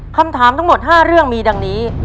คำถามทั้งหมด๕เรื่องมีดังนี้